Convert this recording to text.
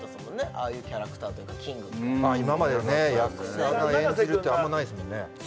ああいうキャラクターというかキングみたいな今までね役者が演じるってあんまりないですもんね